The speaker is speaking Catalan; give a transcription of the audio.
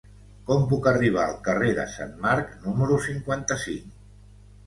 Com puc arribar al carrer de Sant Marc número cinquanta-cinc?